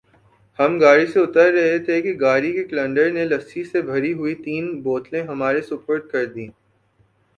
ہم گاڑی سے اتر رہے تھے کہ گاڑی کے کلنڈر نے لسی سے بھری ہوئی تین بوتلیں ہمارے سپرد کر دیں